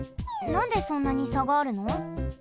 なんでそんなにさがあるの？